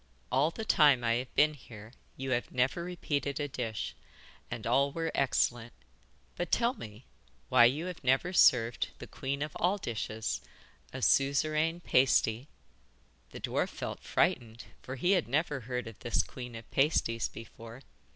All the time I have been here you have never repeated a dish, and all were excellent. But tell me why you have never served the queen of all dishes, a Suzeraine Pasty?' The dwarf felt frightened, for he had never heard of this Queen of Pasties before.